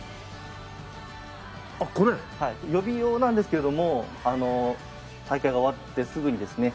予備用なんですけれども大会が終わってすぐにですね